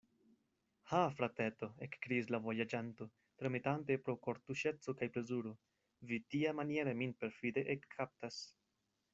Ha! frateto, ekkriis la vojaĝanto, tremetante pro kortuŝeco kaj plezuro; vi tiamaniere min perfide ekkaptas!